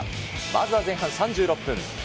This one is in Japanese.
まずは前半３６分。